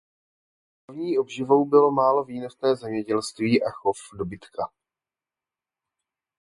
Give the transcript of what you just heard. Hlavní obživou bylo málo výnosné zemědělství a chov dobytka.